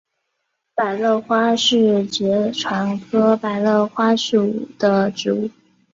百簕花是爵床科百簕花属的植物。